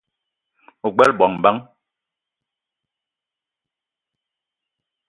Ogbela bongo bang ?